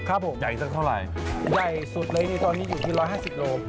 ครับผมใหญ่ตั้งเท่าไหร่ใหญ่สุดเลยตอนนี้อยู่ที่๑๕๐กิโลกรัม